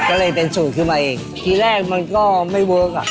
ก็เลยเป็นสูตรขึ้นมาอีกทีแรกมันก็ไม่เวิร์คอ่ะ